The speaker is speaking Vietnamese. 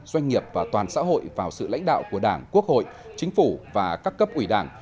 doanh nghiệp và toàn xã hội vào sự lãnh đạo của đảng quốc hội chính phủ và các cấp ủy đảng